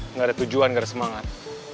nggak ada tujuan nggak ada semangat